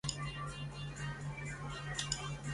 以下是知名的网页浏览器的列表。